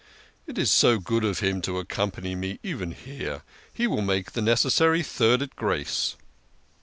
" It is so good of him to accompany me even here he will make the necessary third at grace."